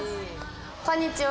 こんにちは。